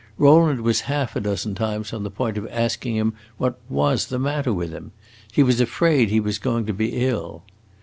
Rowland was half a dozen times on the point of asking him what was the matter with him; he was afraid he was going to be ill.